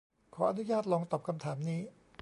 ขออนุญาตลองตอบคำถามนี้